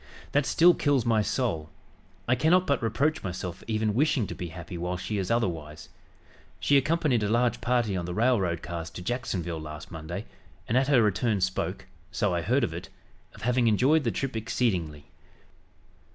That still kills my soul. I cannot but reproach myself for even wishing to be happy while she is otherwise. She accompanied a large party on the railroad cars to Jacksonville last Monday, and at her return spoke, so I heard of it, of having 'enjoyed the trip exceedingly.'